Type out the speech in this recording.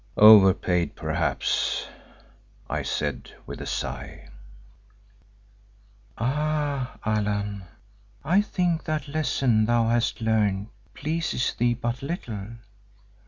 "Over paid, perhaps," I said with a sigh. "Ah, Allan, I think that Lesson thou hast learned pleases thee but little.